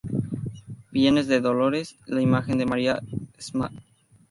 Vienes de Dolores, la imagen de María Stma.